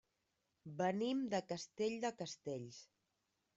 Venim de Castell de Castells.